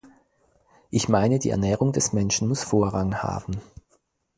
Ich meine, die Ernährung des Menschen muss Vorrang haben.